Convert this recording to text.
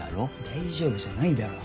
大丈夫じゃないだろ。